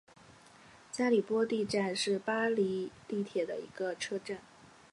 加里波第站是巴黎地铁的一个车站。